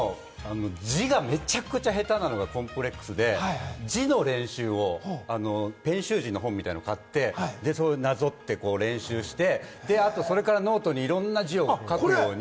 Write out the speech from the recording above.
字がめちゃくちゃ下手なのがコンプレックスで、字の練習をペン習字の本を買って、なぞって練習して、あとノートにいろんな字を書くように。